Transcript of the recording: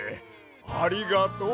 ありがとう！